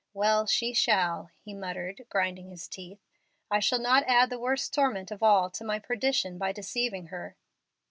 Well, she shall," he muttered, grinding his teeth; "I shall not add the worst torment of all to my perdition by deceiving her."